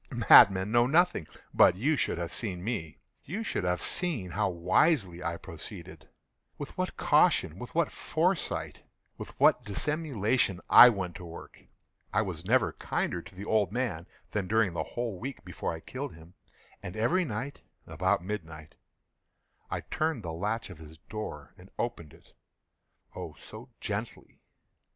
Madmen know nothing. But you should have seen me. You should have seen how wisely I proceeded—with what caution—with what foresight—with what dissimulation I went to work! I was never kinder to the old man than during the whole week before I killed him. And every night, about midnight, I turned the latch of his door and opened it—oh, so gently!